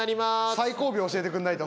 最後尾教えてくんないと。